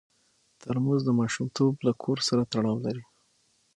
ترموز د ماشومتوب له کور سره تړاو لري.